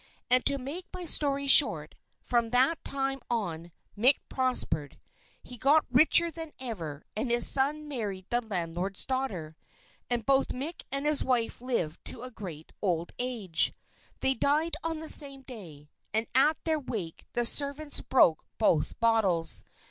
And to make my story short, from that time on Mick prospered. He got richer than ever, and his son married the landlord's daughter. And both Mick and his wife lived to a great old age. They died on the same day, and at their wake the servants broke both bottles.